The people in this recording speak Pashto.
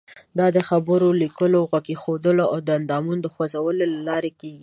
دا د خبرو، لیکلو، غوږ ایښودلو او د اندامونو خوځولو له لارې کیږي.